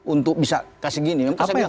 untuk bisa kasi gini